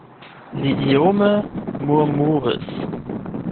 Li iome murmuris.